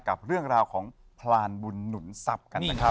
กับเรื่องราวของพรานบุญหนุนทรัพย์กันนะครับ